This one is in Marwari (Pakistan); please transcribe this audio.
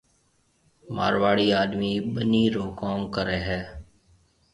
مارواڙي آڏمِي ٻنِي رو ڪوم ڪرَي ھيَََ